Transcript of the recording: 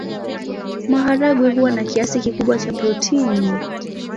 Maharagwe huwa na kiasi kikubwa cha protini.